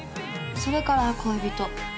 それから恋人」